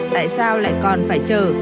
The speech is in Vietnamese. tại sao lại còn phải chờ